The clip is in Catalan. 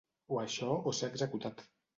O això o ser executat.